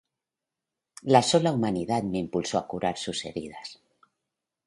La sola humanidad me impulsó a curar sus heridas.